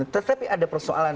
tetapi ada persoalan